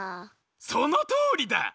そのとおりだ。